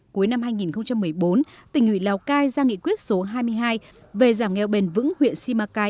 cuối năm hai nghìn một mươi bốn tỉnh ủy lào cai ra nghị quyết số hai mươi hai về giảm nghèo bền vững huyện simacai